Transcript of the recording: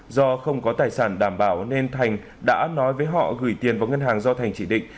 do không có tài sản đảm bảo nên thành đã nói với họ gửi tiền vào ngân hàng do thành chỉ định